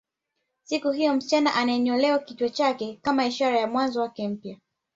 Siku hiyo msichana ananyolewa kichwa chake kama ishara ya mwanzo wake mpya